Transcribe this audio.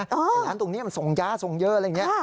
แต่ร้านตรงนี้มันส่งยาส่งเยอะอะไรอย่างนี้